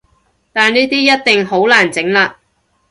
但呢啲一定好難整喇